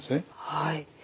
はい。